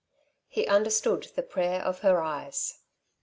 He understood the prayer of her eyes.